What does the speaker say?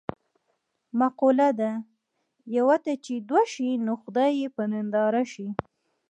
مقوله ده: یوه ته چې دوه شي نو خدای یې په ننداره شي.